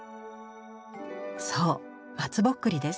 そうまつぼっくりです。